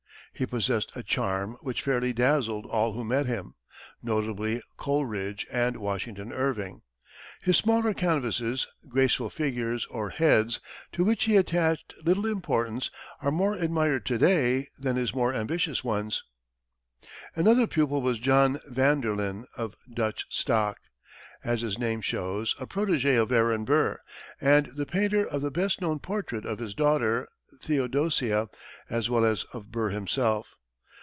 He possessed a charm which fairly dazzled all who met him, notably Coleridge and Washington Irving. His smaller canvasses, graceful figures or heads, to which he attached little importance, are more admired to day than his more ambitious ones. Another pupil was John Vanderlyn, of Dutch stock, as his name shows, a protégé of Aaron Burr, and the painter of the best known portrait of his daughter, Theodosia, as well as of Burr himself.